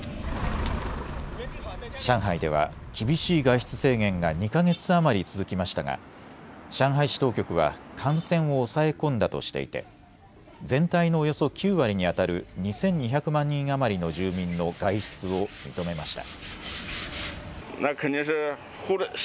上海では厳しい外出制限が２か月余り続きましたが上海市当局は感染を抑え込んだとしていて全体のおよそ９割にあたる２２００万人余りの住民の外出を認めました。